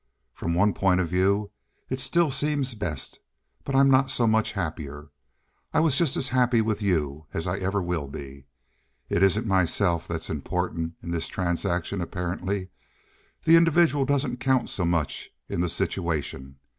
From one point of view it still seems best, but I'm not so much happier. I was just as happy with you as I ever will be. It isn't myself that's important in this transaction apparently; the individual doesn't count much in the situation.